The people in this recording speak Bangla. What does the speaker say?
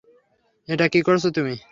এটা কী করছো তুমি?